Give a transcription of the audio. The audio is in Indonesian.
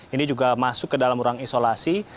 ini juga masuk ke dalam ruang isolasi